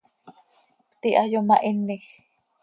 Pti hayomahinej.